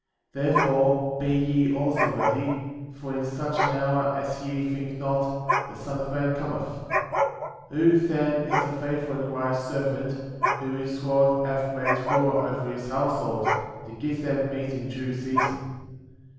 48. Therefore be ye also ready, for in such an hour as ye think not, the Son of Man cometh. 49. Who, then, is a faithful and wise servant^ whom his lord hath made ruler over his household, to give them meat in due season?